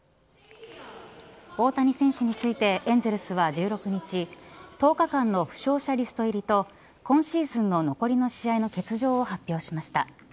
大谷選手についてエンゼルスは１６日１０日間の負傷者リスト入りと今シーズンの残りの試合の欠場を発表しました。